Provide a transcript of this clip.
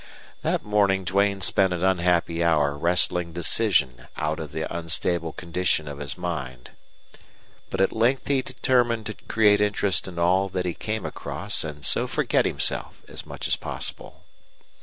That morning Duane spent an unhappy hour wrestling decision out of the unstable condition of his mind. But at length he determined to create interest in all that he came across and so forget himself as much as possible.